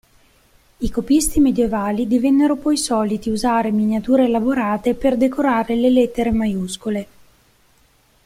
I copisti medioevali divennero poi soliti usare miniature elaborate per decorare le lettere maiuscole.